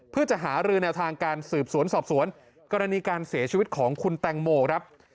เพื่อจะหารือแนวทางการสืบสวนสอบสวนกรณีการเสียชีวิตของคุณแตงโมครับ